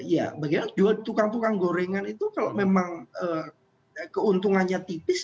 ya bagaimana dua tukang tukang gorengan itu kalau memang keuntungannya tipis